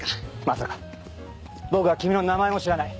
まさか僕は君の名前も知らない。